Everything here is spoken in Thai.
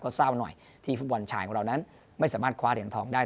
เศร้าหน่อยที่ฟุตบอลชายของเรานั้นไม่สามารถคว้าเหรียญทองได้